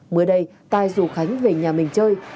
mới đây tài dù khánh về nhà mình chơi